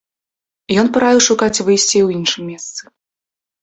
Ён параіў шукаць выйсце ў іншым месцы.